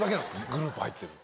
グループ入ってるの。